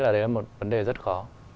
tôi nghĩ là đấy là một vấn đề rất khó